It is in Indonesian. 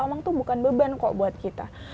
emang tuh bukan beban kok buat kita